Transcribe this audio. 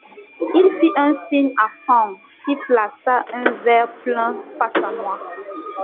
Il fit un signe à Franck qui plaça un verre plein face à moi.